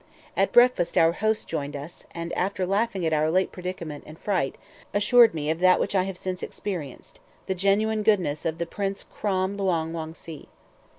At breakfast our host joined us, and, after laughing at our late predicament and fright, assured me of that which I have since experienced, the genuine goodness of the Prince Krom Lhuang Wongse.